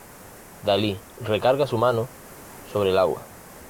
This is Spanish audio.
Dalí recarga su mano sobre el agua.